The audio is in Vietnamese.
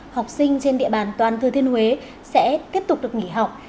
học sinh trên địa bàn toàn thừa thiên huế sẽ tiếp tục được nghỉ học